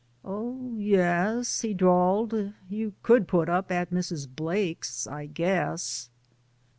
0h, y es,*' he drawled. You could put up at Mrs. Blake % I goess.''